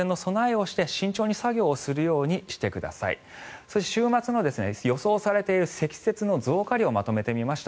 そして、週末の予想されている積雪の増加量をまとめてみました。